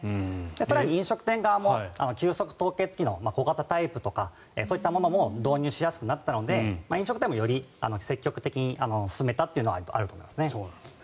更に飲食店側も急速凍結機の小型タイプとかそういったものも導入しやすくなったので飲食店も、より積極的に進めたというのはあると思います。